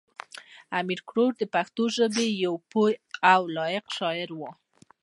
امیر کروړ د پښتو ژبې یو پوه او لایق شاعر و.